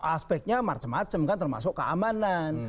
aspeknya macam macam kan termasuk keamanan